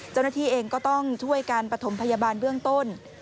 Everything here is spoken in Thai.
เจ้าหน้าที่เองก็ต้องช่วยการปฐมพยาบาลเบื้องต้น